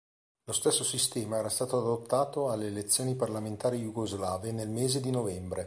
Lo stesso sistema era stato adottato alle elezioni parlamentari jugoslave nel mese di novembre.